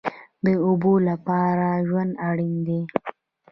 د اوبو لپاره ژوند اړین دی